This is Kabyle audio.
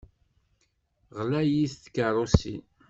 Ɣlayit tkeṛṛusin.